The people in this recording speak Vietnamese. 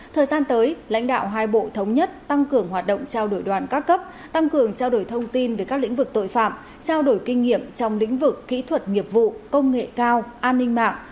thời gian tới lãnh đạo hai bộ thống nhất tăng cường hoạt động trao đổi đoàn các cấp tăng cường trao đổi thông tin về các lĩnh vực tội phạm trao đổi kinh nghiệm trong lĩnh vực kỹ thuật nghiệp vụ công nghệ cao an ninh mạng